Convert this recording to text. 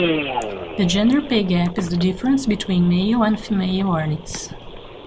The gender pay gap is the difference between male and female earnings.